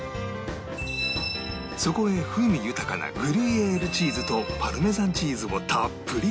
そこへ風味豊かなグリュイエールチーズとパルメザンチーズをたっぷりと